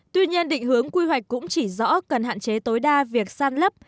tuy nhiên định hướng quy hoạch cũng chỉ rõ cần hạn chế tối đa việc san lấp